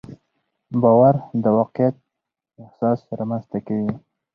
باور د واقعیت احساس رامنځته کوي.